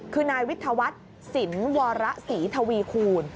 คือนายวิทยาวัฒน์สินวรศรีทวีคูณ